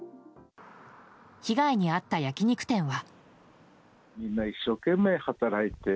被害に遭った焼き肉店は。